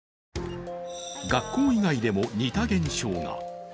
学校以外でも似た現象が。